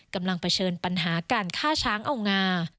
เผชิญปัญหาการฆ่าช้างเอางา